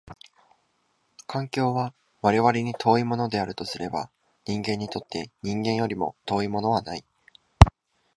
環境は我々に遠いものであるとすれば、人間にとって人間よりも遠いものはない。